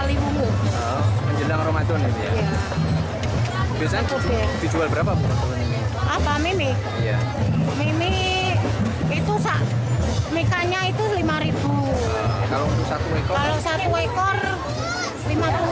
itu ada satu pasang ya